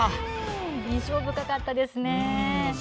印象深かったですね。